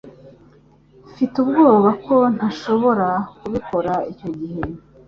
Mfite ubwoba ko ntashobora kubikora icyo gihe.